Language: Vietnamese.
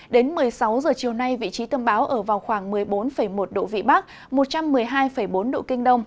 đến một mươi sáu h chiều nay vị trí tâm bão ở vào khoảng một mươi bốn một độ vị bắc một trăm một mươi hai bốn độ kinh đông